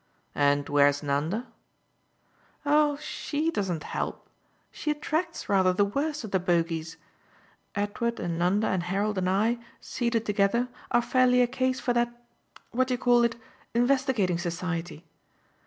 "And where's Nanda?" "Oh SHE doesn't help she attracts rather the worst of the bogies. Edward and Nanda and Harold and I seated together are fairly a case for that what do you call it? investigating Society.